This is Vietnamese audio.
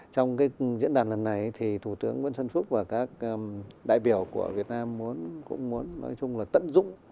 trong cái diễn đàn lần này thì thủ tướng nguyễn xuân phúc và các đại biểu của việt nam muốn cũng muốn nói chung là tận dụng